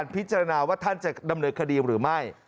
พิจารณาว่าท่านจะดำเนินคดีหรือไม่